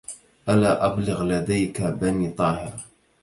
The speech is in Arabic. ألا ابلغ لديك بني طاهر